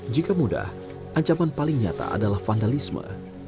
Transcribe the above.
jika mudah ancaman paling nyata adalah vandalisme